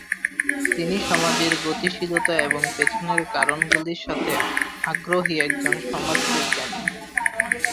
তিনি সমাজের গতিশীলতা এবং পেছনের কারণগুলির সাথে আগ্রহী একজন সমাজ বিজ্ঞানী।